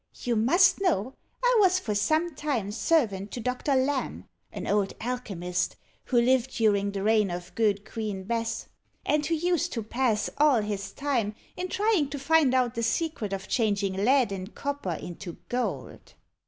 "You must know I was for some time servant to Doctor Lamb, an old alchemist, who lived during the reign of good Queen Bess, and who used to pass all his time in trying to find out the secret of changing lead and copper into gold."